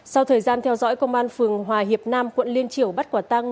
sau thời gian theo dõi công an phường hòa hiệp nam quận liên triểu bắt quả tăng